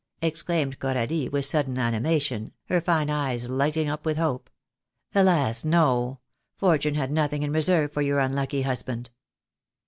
exclaimed Coralie, with sudden animation, her fine eyes lighting up with hope. "Alas, no. Fortune had nothing in reserve for your unlucky husband."